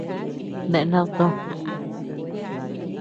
¿Dae nád tò?